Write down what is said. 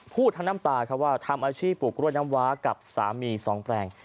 พูดทั้งน้ำตาครับว่าทำอาชีพปลูกกล้วยน้ำว้ากับสามีสองแปลง